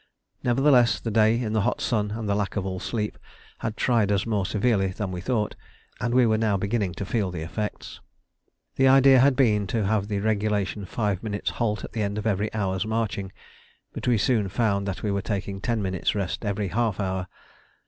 Nevertheless the day in the hot sun and the lack of all sleep had tried us more severely than we thought, and we were now beginning to feel the effects. The idea had been to have the regulation five minutes' halt at the end of every hour's marching, but we soon found that we were taking ten minutes' rest every half hour.